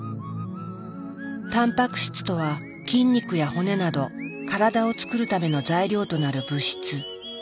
たんぱく質とは筋肉や骨など体をつくるための材料となる物質。